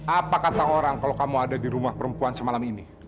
apa kata orang kalau kamu ada di rumah perempuan semalam ini